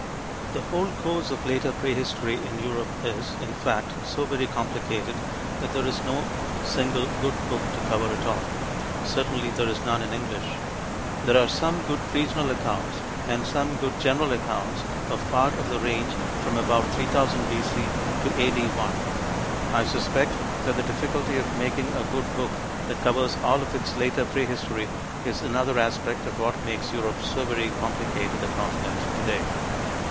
The whole course of later prehistory in Europe is, in fact, so very complicated that there is no single good book to cover it all; certainly there is none in English. There are some good regional accounts and some good general accounts of part of the range from about 3000 B.C. to A.D. 1. I suspect that the difficulty of making a good book that covers all of its later prehistory is another aspect of what makes Europe so very complicated a continent today.